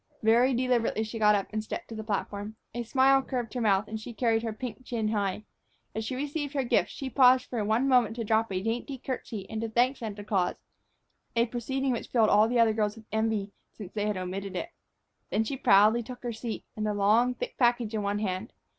Very deliberately she got up and stepped to the platform. A smile curved her mouth, and she carried her pink chin high. As she received her gift, she paused for one moment to drop a dainty curtsy and to thank Santa Claus, a proceeding which filled all the other girls with envy, since they had omitted it. Then she proudly took her seat, the long, thick package in one hand.